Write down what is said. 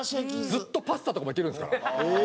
ずっとパスタとかもいけるんですから。